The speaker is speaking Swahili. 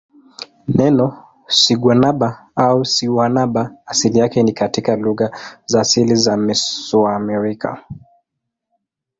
Neno siguanaba au sihuanaba asili yake ni katika lugha za asili za Mesoamerica.